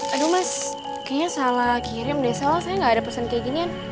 aduh mas kayaknya salah kirim deh soal saya gak ada pesan kayak ginian